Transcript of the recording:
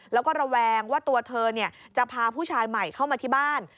แล้วก็ระแวงว่าตัวเธอจะพาผู้ชายใหม่เข้ามาที่บ้าน